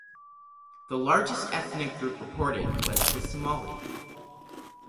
The largest ethnic group reported was the Somali.